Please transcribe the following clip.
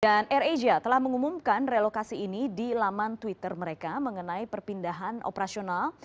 dan air asia telah mengumumkan relokasi ini di laman twitter mereka mengenai perpindahan operasional